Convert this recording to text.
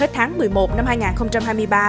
hết tháng một mươi một năm hai nghìn hai mươi ba